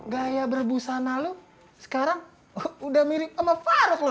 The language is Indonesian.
gaya berbusana lo sekarang udah mirip sama faruk lo